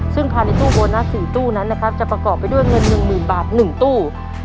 ซึ่งภายในตู้โบนัส๔ตู้นั้นนะครับจะประกอบไปด้วยเงิน๑๐๐๐บาท๑ตู้